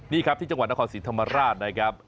นี่ครับที่จังหวัดนครศรีธรรมราชนะครับ